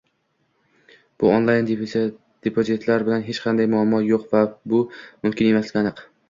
Bu onlayn depozitlar bilan hech qanday muammo yo'q va bu mumkin emasligi aniq